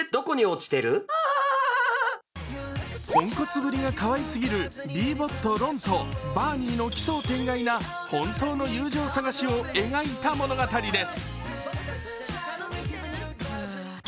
ぽんこつぶりがかわいすぎるＢボットとバーニーの奇想天外な本当の友情探しを描いた物語です。